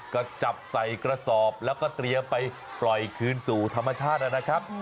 ก็จับใส่กระสอบแล้วก็เตรียมไปปล่อยคืนสู่ธรรมชาตินะครับ